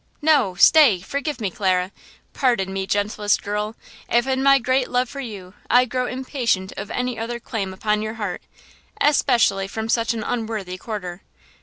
"No–stay! forgive me, Clara! pardon me, gentlest girl, if, in my great love for you, I grow impatient of any other claim upon your heart, especially from such an unworthy quarter.